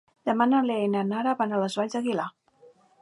Demà na Lea i na Nara van a les Valls d'Aguilar.